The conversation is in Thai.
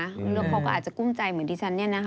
คุณลูกเขาก็อาจจะกุ้มใจเหมือนดิฉันเนี่ยนะคะ